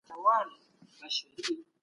د کفارو په مقايسه کي د ښو نسبت هم خطرناک دی،